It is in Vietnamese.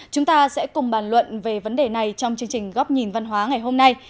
chúng ta sẽ cùng bàn luận về vấn đề này trong chương trình góc nhìn văn hóa ngày hôm nay